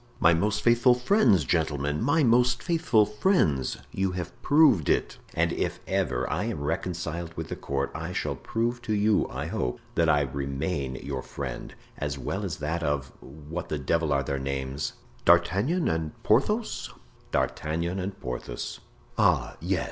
"My most faithful friends, gentlemen, my most faithful friends; you have proved it. And if ever I am reconciled with the court I shall prove to you, I hope, that I remain your friend, as well as that of—what the devil are their names—D'Artagnan and Porthos?" "D'Artagnan and Porthos." "Ah, yes.